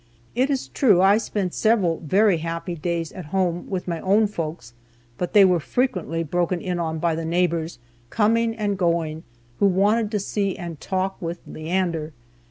It is true, I spent several very happy days at home, with my own folks, but they were frequently broken in on by the neighbors, coming and going, who wanted to see and talk with "Leander."